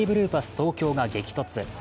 東京が激突。